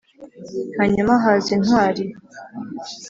hanyuma haza intwari